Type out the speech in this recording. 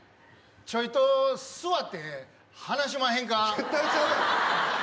ちょいと、座って、話しまへんか。